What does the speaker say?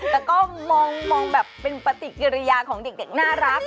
แต่ก็มองแบบเป็นปฏิกิริยาของเด็กน่ารัก